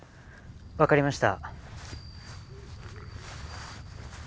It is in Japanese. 分かりました。